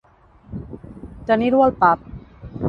Tenir-ho al pap.